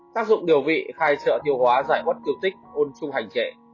tác dụng điều vị khai trợ tiêu hóa giải bất tiêu tích ôn chung hành trệ